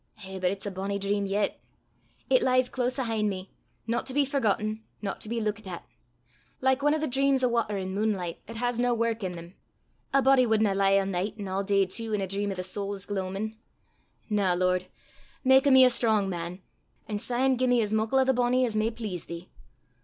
Eh, but it's a bonnie dream yet! It lies close 'ahint me, no to be forgotten, no to be luikit at like ane o' thae dreams o' watter an' munelicht 'at has nae wark i' them: a body wadna lie a' nicht an' a' day tu in a dream o' the sowl's gloamin'! Na, Lord; mak o' me a strong man, an' syne gie me as muckle o' the bonnie as may please thee.